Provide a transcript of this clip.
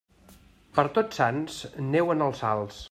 Per Tots Sants, neu en els alts.